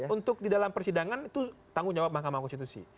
untuk di dalam persidangan itu tanggung jawab mahkamah konstitusi